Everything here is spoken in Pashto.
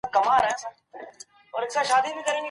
زده کوونکي به په نويو ښوونځيو کي زده کړه کوي.